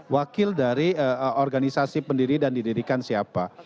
wakil dari organisasi pendiri dan didirikan siapa